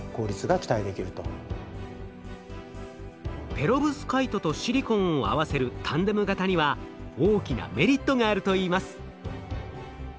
ペロブスカイトとシリコンを合わせるタンデム型には大きなメリットがあるといいます。